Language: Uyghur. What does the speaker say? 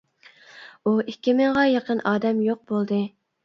ئۇ ئىككى مىڭغا يېقىن ئادەم يوق بولدى.